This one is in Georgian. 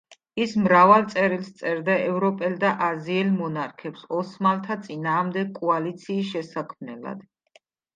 ის მრავალ წერილს სწერდა ევროპელ და აზიელ მონარქებს ოსმალთა წინააღმდეგ კოალიციის შესაქმნელად.